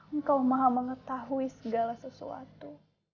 engkau maha mengetahui segala sesuatu